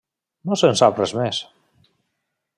No se'n sap res més.